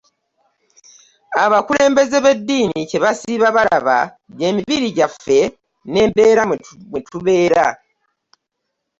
Abakulembeze b'eddiini kye basiiba balaba gy'emibiri gyaffe n'embeera mwe tubeera